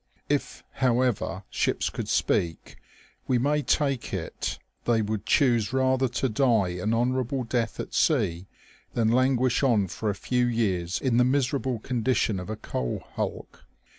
If, however, ships could speak, we may take it they would choose rather to die an honourable death at sea than languish on for a few years in the miserable con dition of a coal hulk.